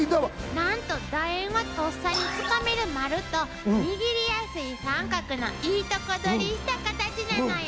なんとだ円はとっさにつかめる丸と握りやすい三角のいいとこ取りしたカタチなのよ。